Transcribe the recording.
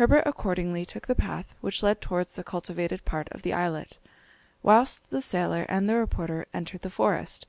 Herbert accordingly took the path which led towards the cultivated part of the islet, whilst the sailor and the reporter entered the forest.